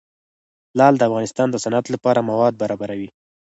لعل د افغانستان د صنعت لپاره مواد برابروي.